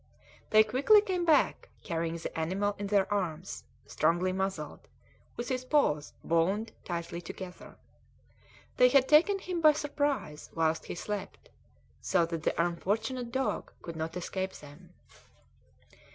They quickly came back, carrying the animal in their arms, strongly muzzled, with his paws bound tightly together. They had taken him by surprise whilst he slept, so that the unfortunate dog could not escape them.